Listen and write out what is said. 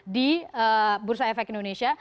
di bursa efek indonesia